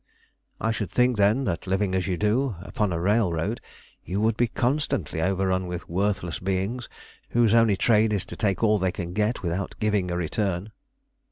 "I should think, then, that living as you do, upon a railroad, you would be constantly overrun with worthless beings whose only trade is to take all they can get without giving a return."